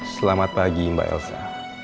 selamat pagi mbak elsa